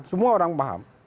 semua orang paham